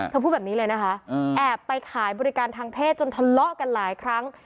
พูดแบบนี้เลยนะคะแอบไปขายบริการทางเพศจนทะเลาะกันหลายครั้ง